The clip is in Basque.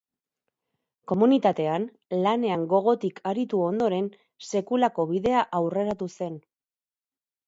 Komunitatean, lanean gogotik aritu ondoren, sekulako bidea aurreratu zen.